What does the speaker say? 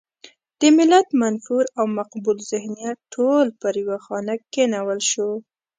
د ملت منفور او مقبول ذهنیت ټول پر يوه خانک کېنول شو.